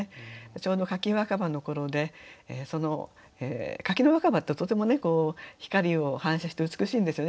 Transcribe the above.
ちょうど柿若葉の頃で柿の若葉ってとてもね光を反射して美しいんですよね